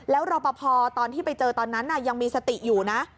แล้วรอปภตอนที่ไปเจอตอนนั้นยังมีสติอยู่นะ